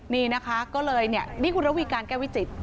นี่นะคะก็เลยเนี่ยนี่คุณระวีการแก้วิจิตร